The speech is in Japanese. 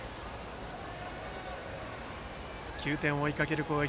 ９点を追いかける攻撃。